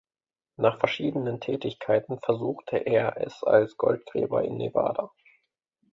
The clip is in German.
Nach verschiedenen Tätigkeiten versuchte er es als Goldgräber in Nevada.